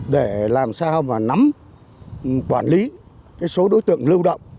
để làm sao mà nắm quản lý số đối tượng lưu động